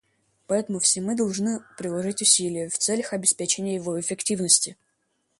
Поэтому все мы должны приложить усилия в целях обеспечения его эффективности.